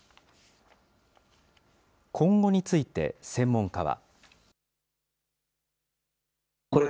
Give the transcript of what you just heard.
今後について、専門家は。